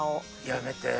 やめて。